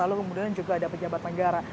lalu kemudian juga ada pejabat negara